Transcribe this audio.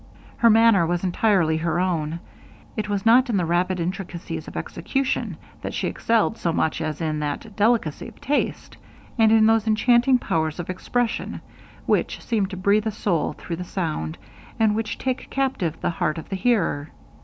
Her manner was entirely her own. It was not in the rapid intricacies of execution, that she excelled so much in as in that delicacy of taste, and in those enchanting powers of expression, which seem to breathe a soul through the sound, and which take captive the heart of the hearer.